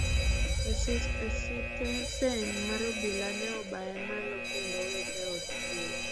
E sitesen mar obila ne obaye malo kendo owite e od twech.